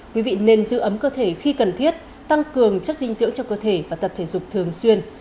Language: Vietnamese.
quý vị nên giữ ấm cơ thể khi cần thiết tăng cường chất dinh dưỡng cho cơ thể và tập thể dục thường xuyên